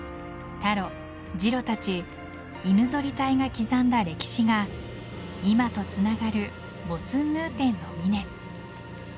タロ、ジロたち犬ぞり隊が刻んだ歴史が今とつながるボツンヌーテンの峰。